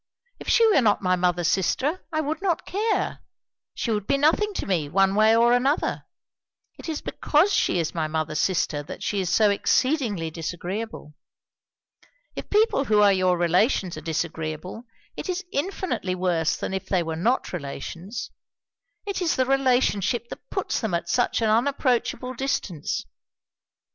If she were not my mother's sister, I would not care; she would be nothing to me, one way or another; it is because she is my mother's sister that she is so exceedingly disagreeable. If people who are your relations are disagreeable, it is infinitely worse than if they were not relations. It is the relationship that puts them at such an unapproachable distance.